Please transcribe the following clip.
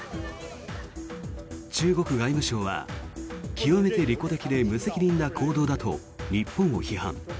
中国外務省は極めて利己的で無責任な行動だと日本を批判。